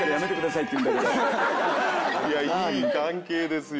いやいい関係ですよ。